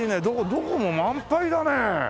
どこも満杯だね！